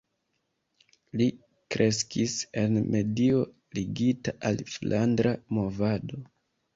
Li kreskis en medio ligita al Flandra Movado.